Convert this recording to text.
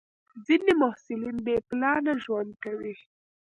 ځینې محصلین بې پلانه ژوند کوي.